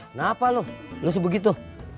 kenapa lo lo sebegitu